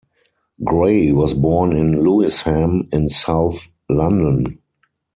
Gray was born in Lewisham, in south London.